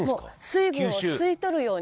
水分を吸い取るように。